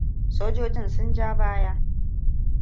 Sojojin sun ja baya.